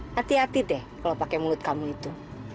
hati hati deh kalau pakai mulut kamu itu